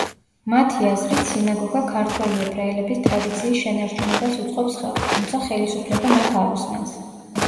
მათი აზრით, სინაგოგა ქართველი ებრაელების ტრადიციის შენარჩუნებას უწყობს ხელს, თუმცა ხელისუფლება მათ არ უსმენს.